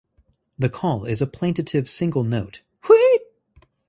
The call is a plaintive single note, "wheet".